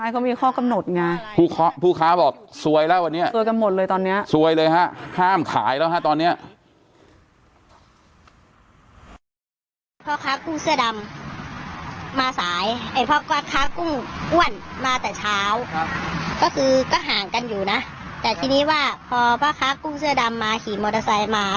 ค้ากุ้งอ้วนมาแต่เช้าครับก็คือก็ห่างกันอยู่น่ะแต่ทีนี้ว่าพอพระค้ากุ้งเสื้อดำมาขี่มอเตอร์ไซค์มา